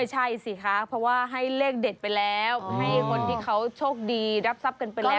ใช่สิคะเพราะว่าให้เลขเด็ดไปแล้วให้คนที่เขาโชคดีรับทรัพย์กันไปแล้ว